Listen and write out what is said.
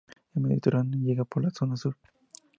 El mediterráneo llega por la zona sur.